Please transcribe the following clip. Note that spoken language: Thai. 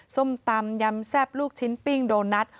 ส้มตำยำแซ่บลูกชิ้นปิ้งโดนัท